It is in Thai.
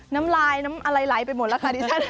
น้ำลายน้ำอะไรไหลไปหมดแล้วค่ะดิฉัน